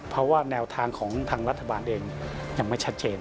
เพราะว่าแนวทางของทางรัฐบาลเองยังไม่ชัดเจน